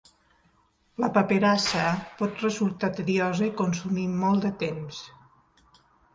La paperassa pot resultar tediosa i consumir molt de temps.